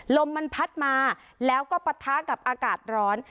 ลมมันพัดมาแล้วก็ปะทะกับอากาศร้อน